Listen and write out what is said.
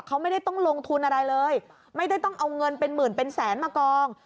เขาไม่ได้ต้องลงทุนอะไรเลยไม่ได้ต้องเอาเงินเป็นหมื่นเป็นแสนมากอง